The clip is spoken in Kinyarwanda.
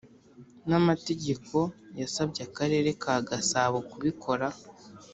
n amategeko yasabye Akarere ka gasabo kubikora